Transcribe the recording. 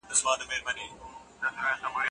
که څوک ستا سره مخالفت وکړي نو مه خفه کېږه.